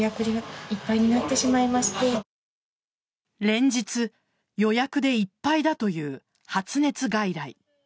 連日、予約でいっぱいだという発熱外来。